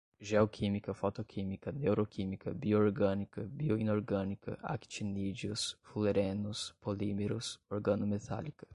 geoquímica, fotoquímica, neuroquímica, bio-orgânica, bioinorgânica, actinídeos, fulerenos, polímeros, organometálica